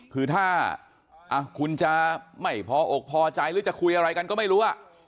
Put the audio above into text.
คือถ้าคุณจะไม่พออกพอใจหรือจะคุยอะไรกันก็ไม่รู้